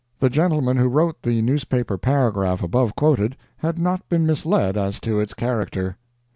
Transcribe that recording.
The gentleman who wrote the newspaper paragraph above quoted had not been misled as to its character.